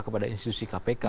kepada institusi kpk